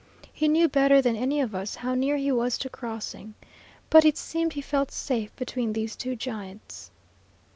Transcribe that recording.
He knew better than any of us how near he was to crossing. But it seemed he felt safe between these two giants.